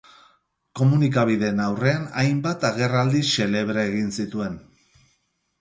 Komunikabideen aurrean hainbat agerraldi xelebre egin zituen.